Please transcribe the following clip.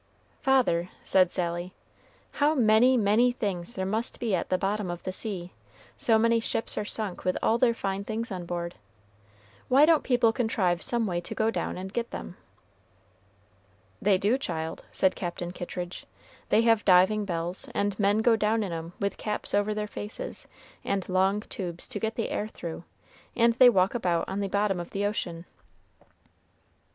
"Father," said Sally, "how many, many things there must be at the bottom of the sea, so many ships are sunk with all their fine things on board. Why don't people contrive some way to go down and get them?" "They do, child," said Captain Kittridge; "they have diving bells, and men go down in 'em with caps over their faces, and long tubes to get the air through, and they walk about on the bottom of the ocean."